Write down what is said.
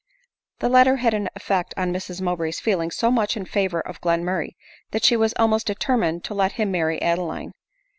This letter had an effect on Mrs Mowbray's feelings so much in favor of Glenmurray, that she was almost de termined to let him marry Adeline.